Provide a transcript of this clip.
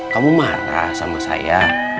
kamu marah sama saya